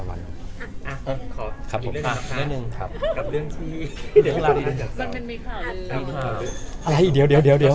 อะไรอีกเดียว